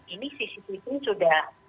ini cctv sudah